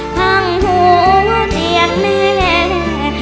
ทางหัวเตียงเหลือ